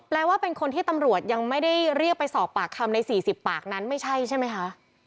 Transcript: แปลว่าเป็นคนที่ตำรวจยังไม่ได้เรียกไปสอบปากคำใน๔๐ปากนั้นไม่ใช่ใช่ไหมคะ